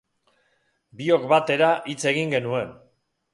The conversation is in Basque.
Biok batera hitz egin genuen.